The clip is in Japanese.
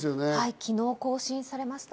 昨日、更新されました。